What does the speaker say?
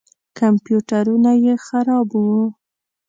کمپیوټرونه یې خراب وو.